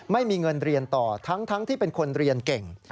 ไม่มีเงินเรียนต่อทั้งที่เป็นคนเรียนเก่ง